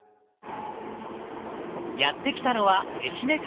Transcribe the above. やって来たのは愛媛県。